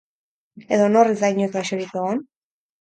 Edo nor ez da inoiz gaixorik egon?